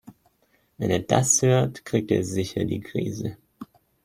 Wenn er das hört, kriegt er sicher die Krise.